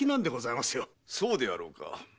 そうであろうか？